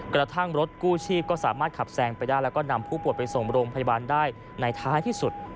กระทั่งรถกู้ชีพก็สามารถขับแซงไปได้แล้วก็นำผู้ป่วยไปส่งโรงพยาบาลได้ในท้ายที่สุด